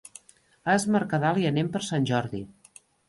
A Es Mercadal hi anem per Sant Jordi.